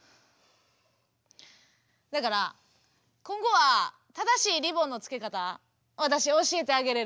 だから今後は正しいリボンのつけ方私教えてあげれる。